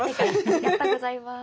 ありがとうございます。